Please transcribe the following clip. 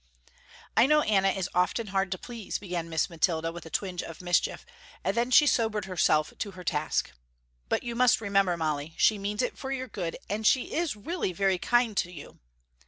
"I know Anna is often hard to please," began Miss Mathilda, with a twinge of mischief, and then she sobered herself to her task, "but you must remember, Molly, she means it for your good and she is really very kind to you."